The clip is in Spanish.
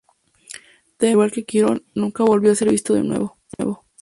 Temis, al igual que Quirón, nunca volvió a ser visto de nuevo.